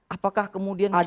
apakah kemudian sipil